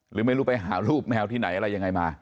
หรือไม่รู้ไปหารูปแมวที่ไหนอะไรยังไงมา